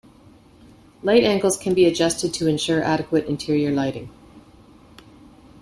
Light angles can be adjusted to ensure adequate interior lighting.